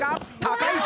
高い！